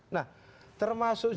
nah termasuk juga